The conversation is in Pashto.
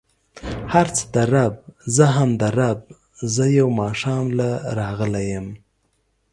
هر څه د رب، زه هم د رب، زه يو ماښام له راغلی يم.